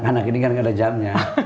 kalau anak anak ini kan nggak ada jamnya